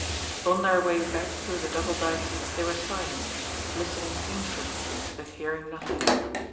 On their way back through the Double Dykes they were silent, listening painfully but hearing nothing.